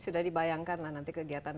sudah dibayangkan lah nanti kegiatan